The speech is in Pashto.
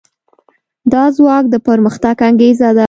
دا ځواک د پرمختګ انګېزه ده.